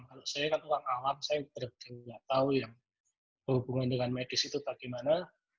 kalau saya kan orang awam saya bener bener gak tau yang hubungan dengan medis itu bagaimana